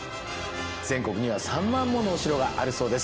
全国には３万ものお城があるそうです。